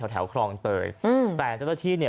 แถวครองเตยแต่เจ้าต้นที่